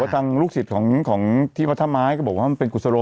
อะไรอย่างนี้ถูกต้องถูกต้องถูกต้องถูกต้องถูกต้องถูกต้อง